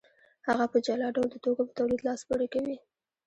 هغه په جلا ډول د توکو په تولید لاس پورې کوي